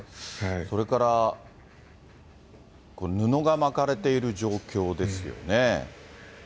それからこれ、布が巻かれている状況ですよね。